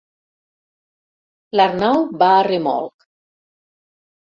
L'Arnau va a remolc.